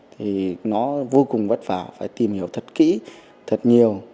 thì nó vô cùng vất vả phải tìm hiểu thật kỹ thật nhiều